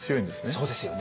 そうですよね。